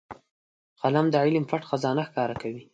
قلم د علم پټ خزانه ښکاره کوي